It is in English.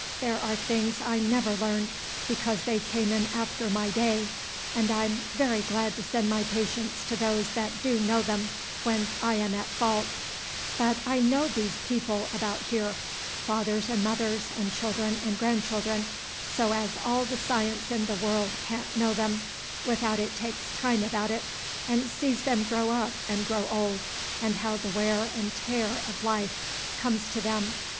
There are things I never learned, because they came in after my day, and I am very glad to send my patients to those that do know them, when I am at fault; but I know these people about here, fathers and mothers, and children and grandchildren, so as all the science in the world can't know them, without it takes time about it, and sees them grow up and grow old, and how the wear and tear of life comes to them.